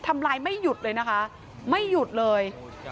ทำร้ายไม่หยุดเลยนะคะไม่หยุดเลย